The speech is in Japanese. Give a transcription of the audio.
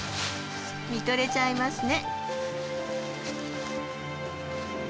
見とれちゃいますね。